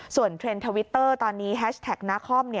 ส่วนเทรนด์ทวิตเตอร์ตอนนี้แฮชแท็กนาคอม